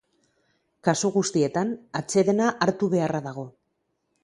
Kasu guztietan, atsedena hartu beharra dago.